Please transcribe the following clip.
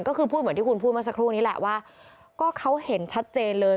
ก็คือพูดเหมือนที่คุณพูดมาสักครู่นี้แหละว่าก็เขาเห็นชัดเจนเลย